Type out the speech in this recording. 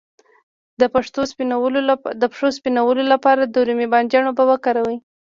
د پښو د سپینولو لپاره د رومي بانجان اوبه وکاروئ